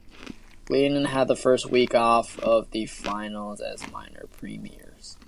Glenelg had the first week off of the finals as minor premiers.